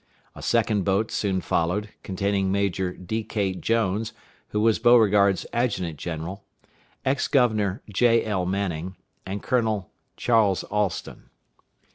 A second boat soon followed, containing Major D.K. Jones, who was Beauregard's adjutant general, Ex Governor J.L. Manning, and Colonel Charles Alston.